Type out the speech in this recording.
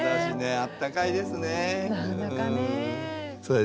あったかいですね。